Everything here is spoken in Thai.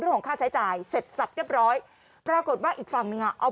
ด้วยของค่าใช้จ่ายเสร็จสรรพเรียบร้อยปรากฏว่าอีกฝั่งเนี่ยเอา